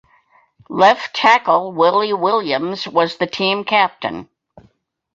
Left tackle Willie Williams was the team captain.